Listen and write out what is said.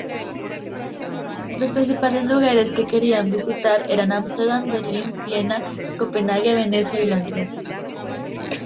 Los principales lugares que quería visitar eran Ámsterdam, Berlín, Viena, Copenhague, Venecia y Londres.